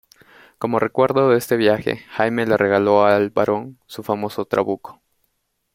Como recuerdo de este viaje, Jaime le regaló al Barón su famoso trabuco.